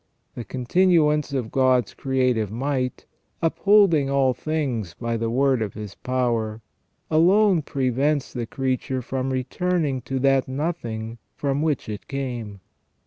The continuance of God's creative might, " upholding all things by the word of His power," alone prevents the creature from returning to that nothing from which it came.